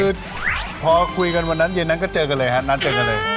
คือพอคุยกันวันนั้นเย็นนั้นก็เจอกันเลยฮะนัดเจอกันเลย